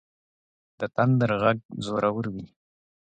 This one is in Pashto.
د تندر غږ زورور وي.